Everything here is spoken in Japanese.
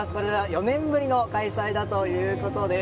４年ぶりの開催だということです。